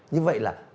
như vậy là